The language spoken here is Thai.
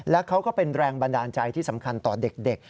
และเขาก็เป็นแรงบันดาลใจที่สำคัญต่อเด็ก